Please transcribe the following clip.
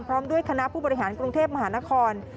พร้อมด้วยคณะผู้บริหารกรุงเทพมหานคร